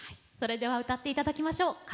それでは歌って頂きましょう。